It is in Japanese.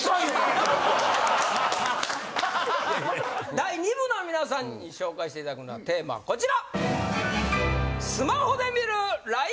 第２部の皆さんに紹介していただくのはテーマはこちら！